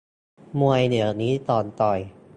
มวยเดี๋ยวนี้ก่อนต่อย